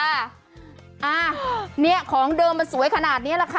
อ่าเนี่ยของเดิมมันสวยขนาดนี้แหละค่ะ